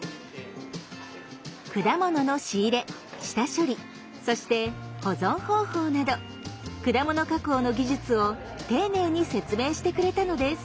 果物の仕入れ下処理そして保存方法など果物加工の技術を丁寧に説明してくれたのです。